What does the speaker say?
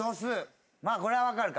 まあこれは分かるか。